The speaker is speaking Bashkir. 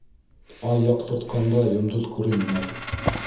Ай яҡтыртҡанда йондоҙ күренмәй.